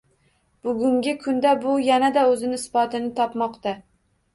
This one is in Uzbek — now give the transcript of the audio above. Bugungi kunda bu yanada oʻz isbotini topmoqda.